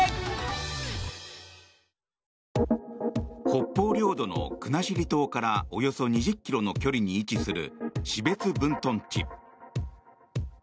北方領土の国後島からおよそ２０ｋｍの距離に位置する標津分屯地。